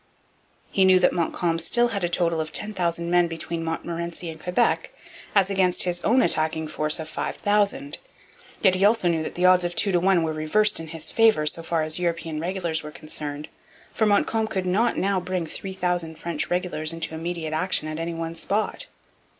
He knew that Montcalm still had a total of 10,000 men between Montmorency and Quebec, as against his own attacking force of 5,000; yet he also knew that the odds of two to one were reversed in his favour so far as European regulars were concerned; for Montcalm could not now bring 3,000 French regulars into immediate action at any one spot.